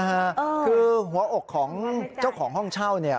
คือหัวอกของเจ้าของห้องเช่าเนี่ย